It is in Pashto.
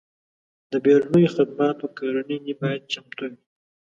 د بیړنیو خدماتو کړنې باید چمتو وي.